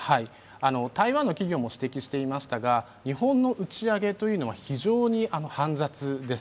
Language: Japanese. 台湾の企業も指摘していましたが、日本の打ち上げというのは非常に煩雑です。